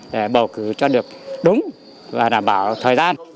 để bầu cử cho được đúng và đảm bảo thời gian